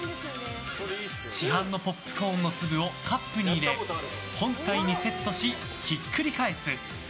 市販のポップコーンの粒をカップに入れ本体にセットし、ひっくり返す。